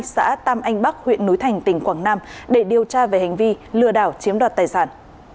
xã tam anh bắc huyện núi thành tỉnh quảng nam để điều tra về hành vi lừa đảo chiếm đoạt tài sản